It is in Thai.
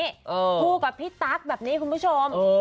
คู่กับพี่ตั๊กแบบนี้คุณผู้ชม